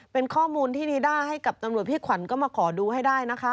เป็นข้อมูลที่นีด้าให้กับตำรวจพี่ขวัญก็มาขอดูให้ได้นะคะ